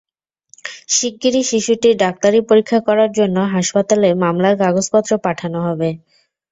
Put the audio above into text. শিগগিরই শিশুটির ডাক্তারি পরীক্ষা করার জন্য হাসপাতালে মামলার কাগজপত্র পাঠানো হবে।